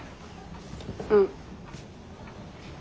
うん。